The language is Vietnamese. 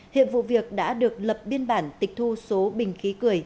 hiện vụ việc đã được lập biên bản tịch thu số bình khí cười